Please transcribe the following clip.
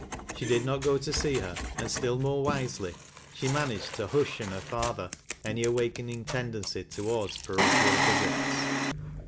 She divi not go to see her, and still more wisely she managed to hnsh in her father any awakening tendenc}' toward parochial visits.